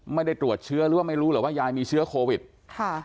ไม่ได้ตรวจเชื้อหรือว่าไม่รู้หรอกว่ายายมีเชื้อโควิดค่ะ